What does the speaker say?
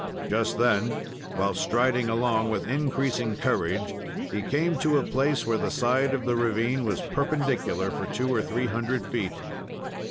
Just then, while striding along with increasing courage, he came to a place where the side of the ravine was perpendicular for two or three hundred feet.